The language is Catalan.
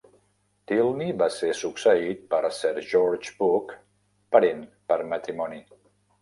Tylney va ser succeït per Sir George Buck, parent per matrimoni.